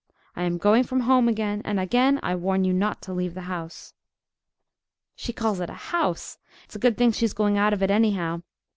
I am going from home again; and again I warn you not to leave the house." "She calls it a house!—It's a good thing she's going out of it anyhow!"